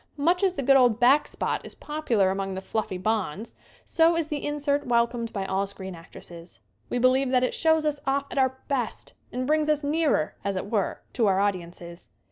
Much as the good old "back spot" is popular among the fluffy bonds, so is the insert wel comed by all screen actresses. We believe that it shows us off at our best and brings us nearer, as it were, to our audiences.